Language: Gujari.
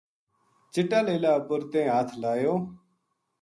چٹا لیلا اپر تیں ہتھ لایو